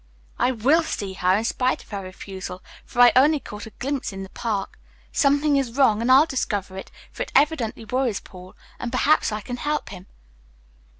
"I will see her in spite of her refusal, for I only caught a glimpse in the Park. Something is wrong, and I'll discover it, for it evidently worries Paul, and perhaps I can help him."